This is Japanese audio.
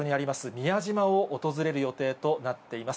宮島を訪れる予定となっています。